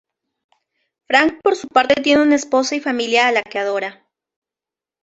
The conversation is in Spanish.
Frank por su parte tiene una esposa y familia a la que adora.